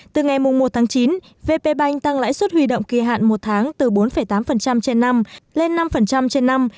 từ ngày một tháng chín vp bank tăng lãi suất huy động kỳ hạn một tháng từ bốn tám trên năm lên năm trên năm